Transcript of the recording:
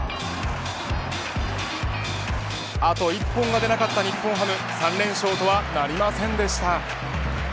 あと１本が出なかった日本ハム３連勝とはなりませんでした。